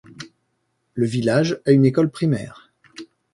Le village a une école primaire.